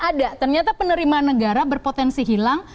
ada ternyata penerimaan negara berpotensi hilang